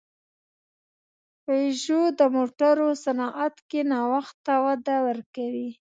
پيژو د موټرو صنعت کې نوښت ته وده ورکوي.